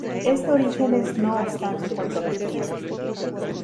Este origen es no obstante controvertido.